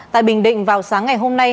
tại bình định vào sáng ngày hôm nay